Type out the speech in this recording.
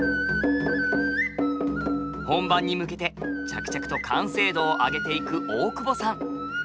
本番に向けて着々と完成度を上げていく大久保さん。